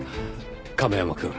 亀山くん。